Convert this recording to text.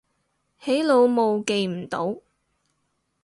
起腦霧記唔到